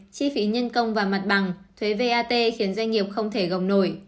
chi phí nhân công và mặt bằng thuế vat khiến doanh nghiệp không thể gồng nổi